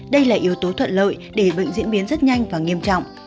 đây là yếu tố thuận lợi để bệnh diễn biến rất nhanh và nghiêm trọng